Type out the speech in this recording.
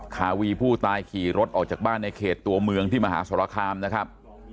คาวีผู้ตายขี่รถออกจากบ้านในเขตตัวเมืองที่มหาสรคามนะครับ